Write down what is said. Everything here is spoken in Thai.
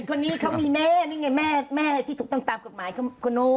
คนนี้เขามีแม่นี่ไงแม่แม่ที่ถูกต้องตามกฎหมายคนนู้น